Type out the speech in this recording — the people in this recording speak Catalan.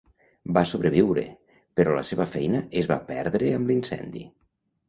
Va sobreviure, però la seva feina es va perdre amb l'incendi.